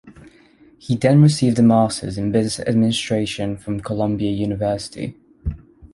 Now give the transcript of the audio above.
He then received a Masters in Business Administration from Columbia University.